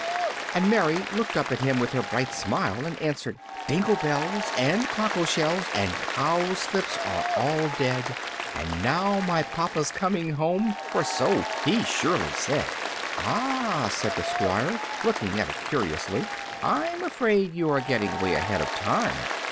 And Mary looked up at him with her bright smile and answered, "Dingle bells and cockle shells And cowslips are all dead, And now my papa's coming home, For so he surely said." "Ah," said the Squire, looking at her curiously, "I'm afraid you are getting way ahead of time.